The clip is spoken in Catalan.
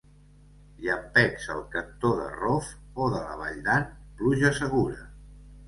Llampecs al cantó de Rof o de la Valldan, pluja segura.